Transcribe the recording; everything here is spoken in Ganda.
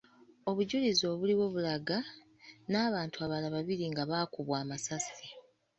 Obujulizi obuliwo bulaga n’abantu abalala babiri nga bakubwa amasasi .